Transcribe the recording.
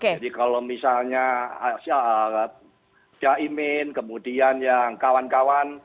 jadi kalau misalnya syaimin kemudian yang kawan kawan